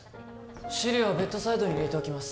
資料はベッドサイドに入れておきます